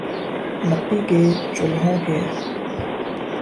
مٹی کے چولہوں کے